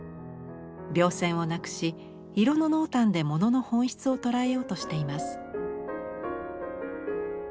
描線をなくし色の濃淡で物の本質を捉えようとしています。